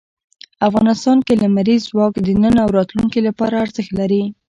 افغانستان کې لمریز ځواک د نن او راتلونکي لپاره ارزښت لري.